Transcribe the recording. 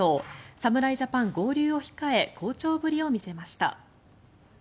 侍ジャパン合流を控え好調ぶりを見せました。